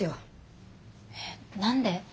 えっ何で？